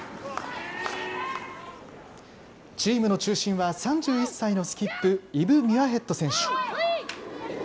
チームの中心は３１歳のスキップ、イブ・ミュアヘッド選手。